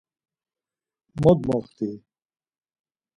Mot moxti?